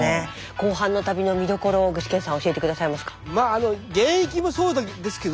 後半の旅の見どころを具志堅さん教えてくださいますか？